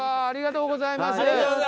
ありがとうございます。